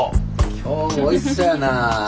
今日もおいしそうやな。